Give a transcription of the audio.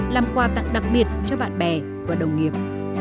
làm quà tặng đặc biệt cho bạn bè và đồng nghiệp